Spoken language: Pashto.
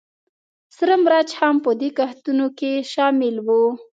سره مرچ هم په دې کښتونو کې شامل وو